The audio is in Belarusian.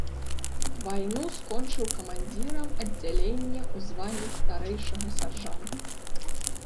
Вайну скончыў камандзірам аддзялення, у званні старэйшага сяржанта.